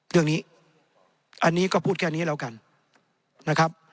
เรื่องนี้อันนี้ก็พูดแค่นี้แล้วกันนะครับ